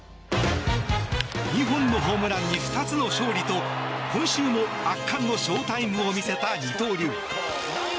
２本のホームランに２つの勝利と今週も圧巻のショウタイムを見せた二刀流。